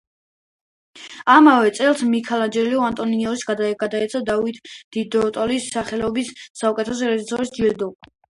ამავე წელს მიქელანჯელო ანტონიონის გადაეცა დავიდ დი დონატელოს სახელობის საუკეთესო რეჟისორის ჯილდო.